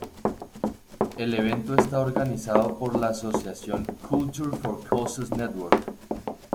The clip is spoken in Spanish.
El evento está organizado por la asociación Culture for Causes Network.